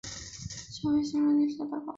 上行月台设有临时剪票口。